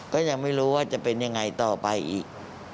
ก็ยังไม่รู้ว่าจะเป็นยังไงต่อไปอีก